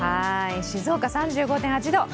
静岡３５．８度。